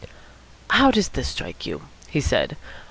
"How does this strike you?" he said.